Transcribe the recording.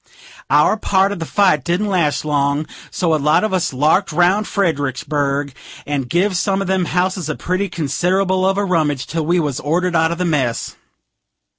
Our part of the fight didn't last long; so a lot of us larked round Fredericksburg, and give some of them houses a pretty consid'able of a rummage, till we was ordered out of the mess.